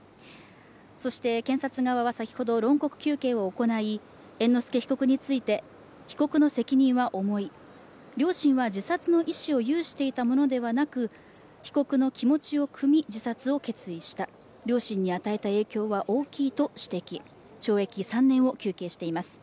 そして検察側は先ほど、論告求刑を行い、被告の責任は重い、両親は自殺の意思を有していたものではなく被告の気持ちを汲み、自殺を決意した、両親に与えた影響は大きいと指摘、懲役３年を求刑しています。